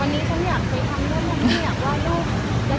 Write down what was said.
วันนี้ผมอยากไปเต้นวันนี้ผมวางบันได